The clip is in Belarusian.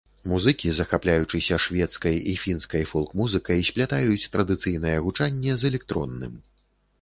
Музыкі, захапляючыся шведскай і фінскай фолк-музыкай, сплятаюць традыцыйнае гучанне з электронным.